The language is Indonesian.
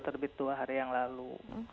terbit dua hari yang lalu